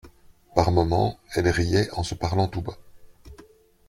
Par moments elle riait en se parlant tout bas.